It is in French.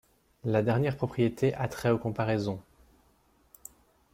La dernière propriété a trait aux comparaisons.